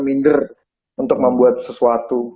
minder untuk membuat sesuatu